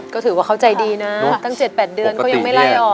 ก็ถือว่าเขาใจดีนะตั้ง๗๘เดือนเขายังไม่ไล่ออก